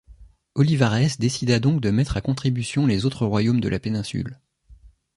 Olivares décida donc de mettre à contribution les autres royaumes de la péninsule.